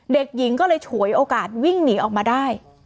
เด็กหญิงก็เลยฉวยโอกาสวิ่งหนีออกมาได้